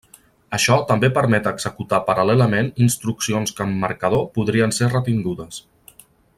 Això també permet executar paral·lelament instruccions que amb marcador podrien ser retingudes.